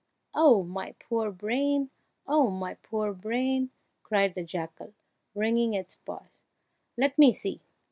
"Oh, my poor brain! oh, my poor brain!" cried the jackal, wringing its paws. "Let me see!